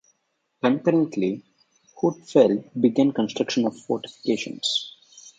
Concurrently, Huitfeldt began construction of fortifications.